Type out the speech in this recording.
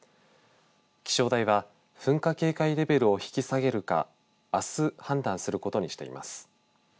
気象台は噴火警戒レベルを引き下げるかあす判断することにしています。